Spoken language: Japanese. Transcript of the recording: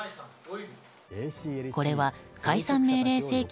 これは、解散命令請求